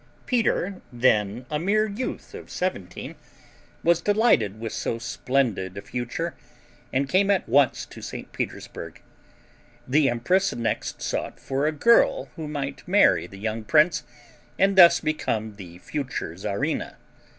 Peter, then a mere youth of seventeen, was delighted with so splendid a future, and came at once to St. Petersburg. The empress next sought for a girl who might marry the young prince and thus become the future Czarina.